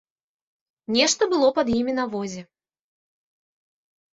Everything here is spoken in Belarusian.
Нешта было пад імі на возе.